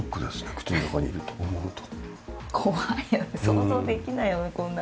口の中にいると思うと。